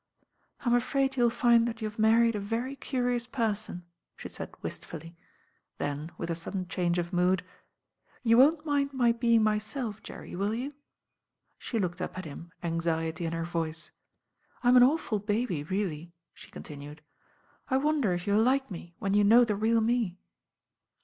"I'm afraid you'll find that you have married a very curious person," she said wistfully; then with a sudden change of mood, "You won't mind my being myself, Jerry, will you?" She looked up at him, anxiety in her voice. "I'm an awful baby really," she continued. "I wonder if you'll like me when you know the real me."